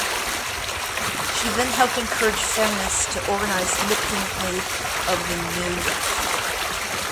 She then helped encourage feminists to organize independently of the New Left.